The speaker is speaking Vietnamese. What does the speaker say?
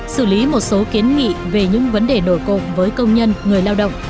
xử lý một số kiến nghị về những vấn đề nổi cộng với công nhân người lao động